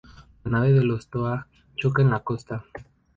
La nave de los Toa choca en la costa.